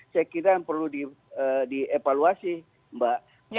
saya kira yang perlu dievaluasi mbak